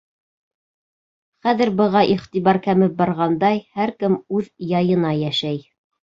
Хәҙер быға иғтибар кәмеп барғандай: һәр кем үҙ яйына йәшәй.